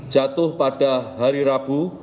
jatuh pada hari rabu